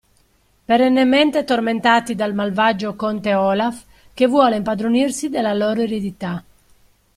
Perennemente tormentati dal malvagio conte Olaf, che vuole impadronirsi della loro eredità.